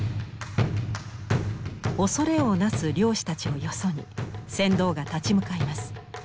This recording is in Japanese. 恐れをなす漁師たちをよそに船頭が立ち向かいます。